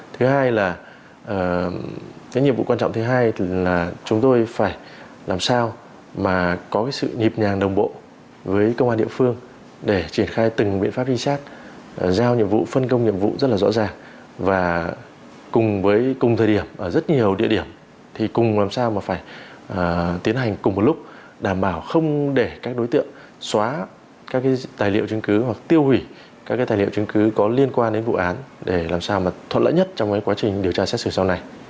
thứ hai là những nhiệm vụ quan trọng thứ hai là chúng tôi phải làm sao mà có sự nhịp nhàng đồng bộ với công an địa phương để triển khai từng biện pháp ri sát giao nhiệm vụ phân công nhiệm vụ rất là rõ ràng và cùng với cùng thời điểm ở rất nhiều địa điểm thì cùng làm sao mà phải tiến hành cùng một lúc đảm bảo không để các đối tượng xóa các tài liệu chứng cứ hoặc tiêu hủy các tài liệu chứng cứ có liên quan đến vụ án để làm sao mà thuận lợi